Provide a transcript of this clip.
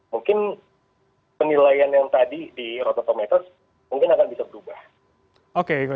mungkin penilaian yang tadi di rotocometer mungkin akan bisa berubah